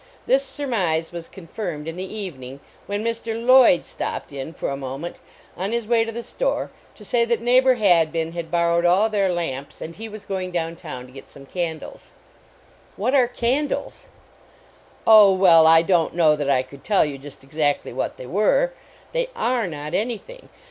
This surmise was confirmed in the evening, when Mr. Lloyd stopped in fora moment on his way 147 A NEIGHBORLY NEIGHBORHOOD to the store to say that neighbor Hadbin had borrowed all their lamps and he was going down town to get some candles. What are candles ? Oh, well, I don t know that I could tell you just exactly what they were. They are " not anything.